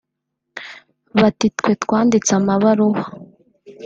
bati twe twanditse amabaruwa